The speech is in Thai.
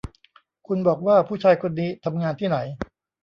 คุณบอกว่าผู้ชายคนนี้ทำงานที่ไหน